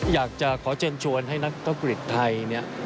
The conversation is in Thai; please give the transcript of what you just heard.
อยากจะขอเชิญชวนให้นักธุรกิจไทยเนี่ย